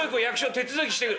手続きしてくる」。